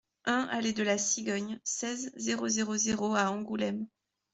un allée de la Cigogne, seize, zéro zéro zéro à Angoulême